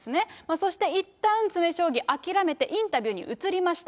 そしていったん詰め将棋、諦めてインタビューに移りました。